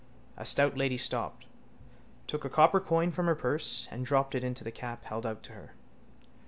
A stout lady stopped, took a copper coin from her purse and dropped it into the cap held out to her.